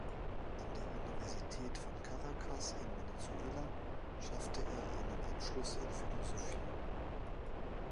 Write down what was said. An der Universität von Caracas in Venezuela schaffte er einen Abschluss in Philosophie.